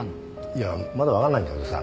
いやまだ分かんないんだけどさ